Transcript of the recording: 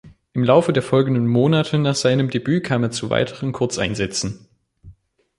Im Laufe der folgenden Monate nach seinem Debüt kam er zu weiteren Kurzeinsätzen.